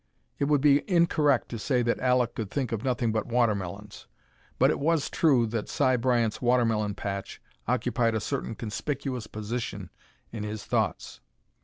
It would be incorrect to say that Alek could think of nothing but watermelons. But it was true that Si Bryant's watermelon patch occupied a certain conspicuous position in his thoughts.